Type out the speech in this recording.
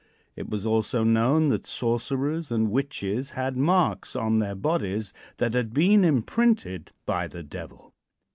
It was also known that sorcerers and witches had marks on their bodies that had been imprinted by the Devil.